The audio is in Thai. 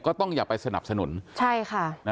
ก็ต้องอย่าไปสนับสนุน